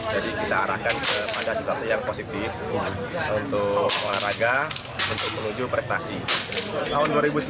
jadi kita arahkan kepada situasi yang positif untuk warga untuk menuju prestasi